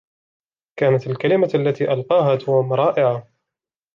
كانت الكلمة التي ألقاها توم رائعة.